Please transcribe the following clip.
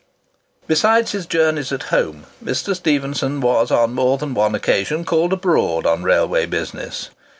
Besides his journeys at home, Mr. Stephenson was on more than one occasion called abroad on railway business.